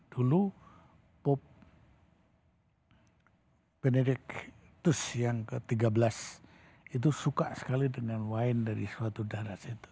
dulu pop benediktus yang ke tiga belas itu suka sekali dengan wine dari suatu daerah situ